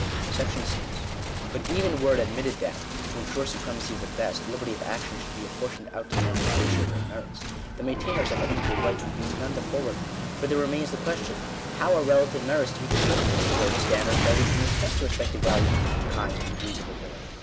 §6. But even were it admitted that, to ensure supremacy of the best, liberty of action should be apportioned out to men in the ratio of their merits, the maintainors of unequal rights would be none the forwarder ; for there remains the question — how are relative merits to be determined ? Where are the standards by which we may test the respective values of different kinds and degrees of ability